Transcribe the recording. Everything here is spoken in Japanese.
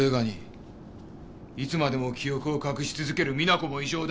いつまでも記憶を隠し続ける実那子も異常だ。